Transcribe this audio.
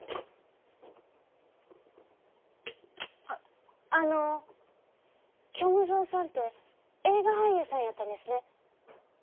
ああの虚無蔵さんて映画俳優さんやったんですね。